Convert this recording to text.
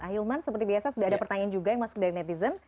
ahilman seperti biasa sudah ada pertanyaan juga yang masuk dari netizen